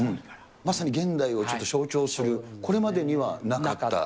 まさに現代を象徴する、これまでにはなかった。